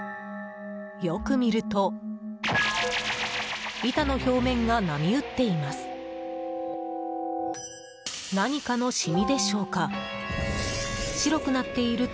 よく見ると板の表面が波打っています。